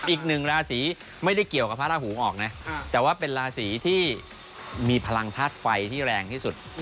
อีกหนึ่งราศีไม่ได้เกี่ยวกับพระราหูออกนะแต่ว่าเป็นราศีที่มีพลังธาตุไฟที่แรงที่สุด